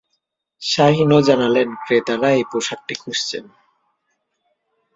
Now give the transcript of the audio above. শাহিনও জানালেন, ক্রেতারা এই পোশাকটি খুঁজছেন।